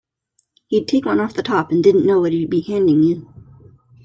He'd take one off the top and didn't know what he'd be handing you.